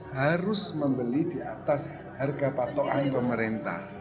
harus membeli di atas harga patokan pemerintah